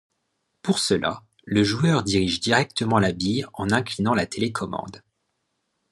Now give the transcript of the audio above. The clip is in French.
Pour cela, le joueur dirige directement la bille en inclinant la télécommande.